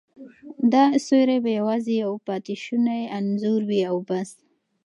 دا سیوری به یوازې یو پاتې شونی انځور وي او بس.